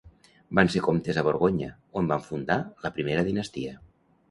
Van ser comtes a Borgonya, on van fundar la primera dinastia.